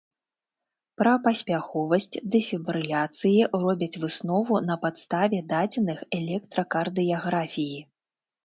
Пра паспяховасць дэфібрыляцыі робяць выснову на падставе дадзеных электракардыяграфіі.